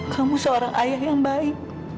kamu seorang ayah yang baik